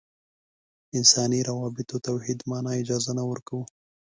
انساني روابطو توحید معنا اجازه نه ورکوو.